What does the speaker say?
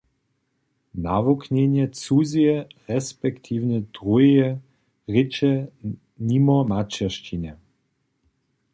- nawuknjenje cuzeje resp. druheje rěče nimo maćeršćiny